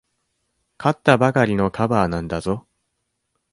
買ったばかりのカバーなんだぞ。